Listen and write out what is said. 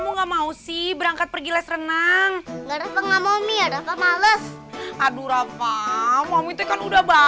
udah udah m might pacilin